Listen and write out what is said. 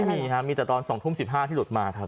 ไม่มีครับมีแต่ตอน๒ทุ่ม๑๕ที่หลุดมาครับ